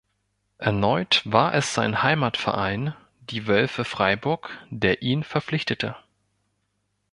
Erneut war es sein Heimatverein, die Wölfe Freiburg, der ihn verpflichtete.